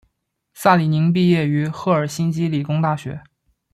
萨里宁毕业于赫尔辛基理工大学。